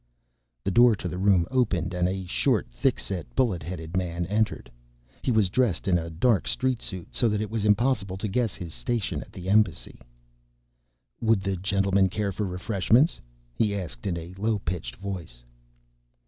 The door to the room opened, and a short, thick set, bullet headed man entered. He was dressed in a dark street suit, so that it was impossible to guess his station at the Embassy. "Would the gentlemen care for refreshments?" he asked in a low pitched voice.